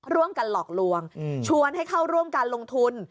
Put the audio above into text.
ร่วมกันหลอกลวงชวนให้เข้าร่วมการลงทุน